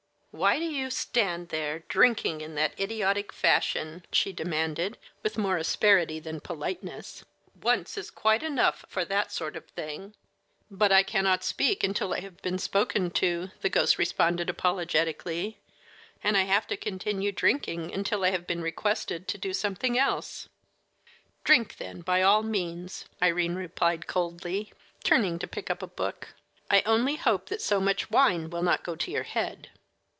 "Why do you stand there drinking in that idiotic fashion?" she demanded, with more asperity than politeness. "Once is quite enough for that sort of thing." "But I cannot speak until I have been spoken to," the ghost responded apologetically, "and I have to continue drinking until I have been requested to do something else." "Drink, then, by all means," Irene replied coldly, turning to pick up a book. "I only hope that so much wine will not go to your head."